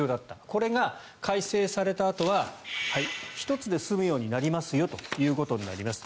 これが改正されたあとは１つで済むようになりますよということになります。